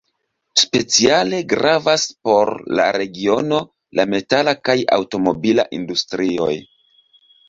Speciale gravas por la regiono la metala kaj aŭtomobila industrioj.